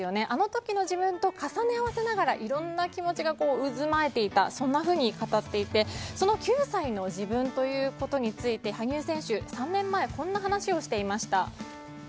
あの時の自分と重ね合わせながらいろんな気持ちが渦巻いていたというふうに語っていてその９歳の自分について羽生選手、３年前にこんな話をしていました。